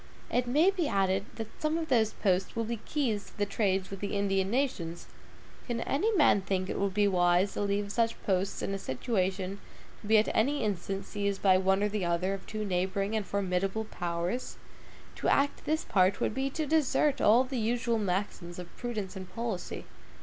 It may be added that some of those posts will be keys to the trade with the Indian nations. Can any man think it would be wise to leave such posts in a situation to be at any instant seized by one or the other of two neighboring and formidable powers? To act this part would be to desert all the usual maxims of prudence and policy.